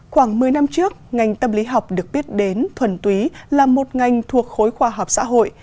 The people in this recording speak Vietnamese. khoảng một mươi năm trước ngành tâm lý học được biết đến thuần túy là một ngành thuộc khối khoa học xã hội